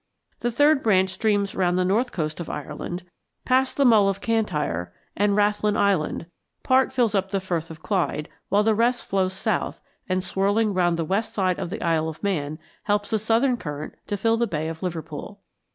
The third branch streams round the north coast of Ireland, past the Mull of Cantyre and Rathlin Island; part fills up the Firth of Clyde, while the rest flows south, and, swirling round the west side of the Isle of Man, helps the southern current to fill the Bay of Liverpool.